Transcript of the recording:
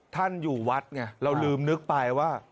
ท่านอยู่วัดไงเราลืมนึกไปว่า